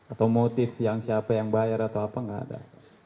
atau motif yang siapa yang bayar atau apa nggak ada